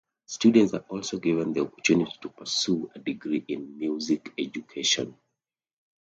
Students are also given the opportunity to pursue a degree in music education.